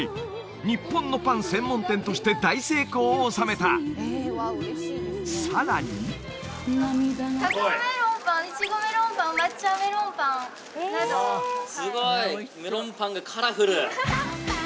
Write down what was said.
日本のパン専門店として大成功を収めたさらにすごいメロンパンがカラフル！